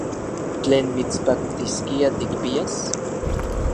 ¿Tlen mitspaktiskia tikpias?